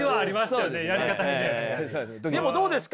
でもどうですか？